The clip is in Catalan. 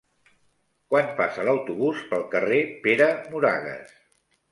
Quan passa l'autobús pel carrer Pere Moragues?